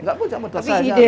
tidak punya modal